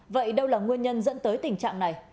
vậy đâu là nguyên nhân dẫn tới tình trạng này